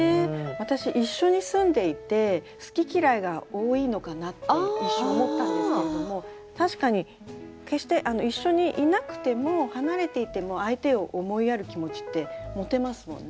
私一緒に住んでいて好き嫌いが多いのかなって一瞬思ったんですけれども確かに決して一緒にいなくても離れていても相手を思いやる気持ちって持てますもんね。